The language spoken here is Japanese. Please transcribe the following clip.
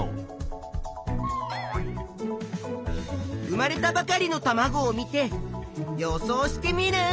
生まれたばかりのたまごを見て予想しテミルン。